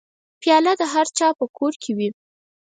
پیاله د هرچا په کور کې وي.